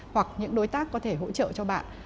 hoặc những đối tác có thể hỗ trợ cho bạn